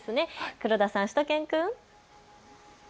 黒田さん、しゅと犬くん。